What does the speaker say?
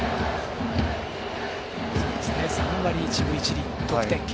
３割１分１厘、得点圏。